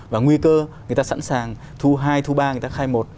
và nguy cơ người ta sẵn sàng thu hai thu ba người ta khai một